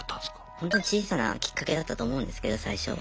ほんとに小さなきっかけだったと思うんですけど最初。